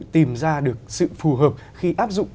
tìm ra được sự phù hợp khi áp dụng